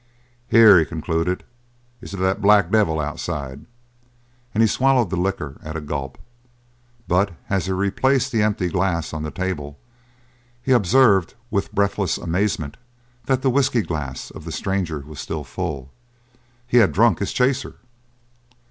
"Here," he concluded, "is to the black devil outside!" And he swallowed the liquor at a gulp, but as he replaced the empty glass on the table he observed, with breathless amazement, that the whiskey glass of the stranger was still full; he had drunk his chaser!